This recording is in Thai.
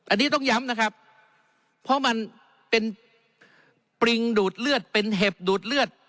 อันนี้ต้องย้ำนะครับเพราะมันเป็นปริงดูดเลือดเป็นเห็บดูดเลือด